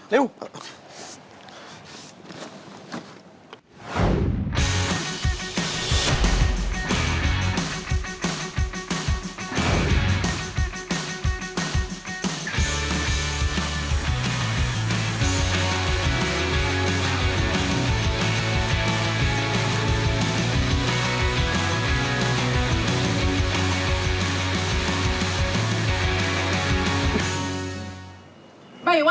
เร็ว